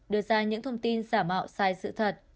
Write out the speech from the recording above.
đưa ra những thông tin giả mạo sai sự thật